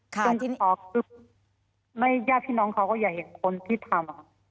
ถ้าครับคือแย่พี่น้องเค้าก็อย่าเห็นคนที่ทำ